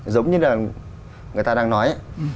giống như là người ta đang nói